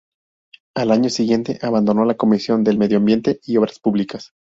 Al año siguiente, abandonó la comisión del medio ambiente y obras públicas.